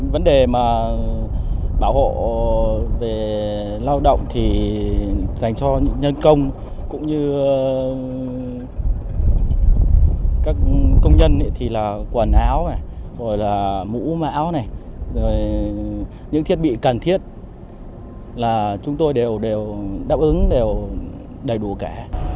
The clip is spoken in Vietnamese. vấn đề mà bảo hộ về lao động thì dành cho nhân công cũng như các công nhân thì là quần áo mũ máu những thiết bị cần thiết là chúng tôi đều đáp ứng đều đầy đủ cả